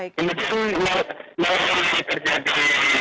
kemudian malam ini terjadi